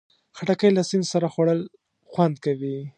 خټکی له سیند سره خوړل خوند کوي.